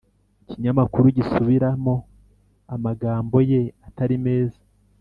Ikinyamakuru gisubiramo amagambo ye Atari meza